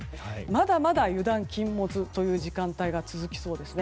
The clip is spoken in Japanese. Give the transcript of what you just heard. まだまだ油断禁物という時間帯が続きそうですね。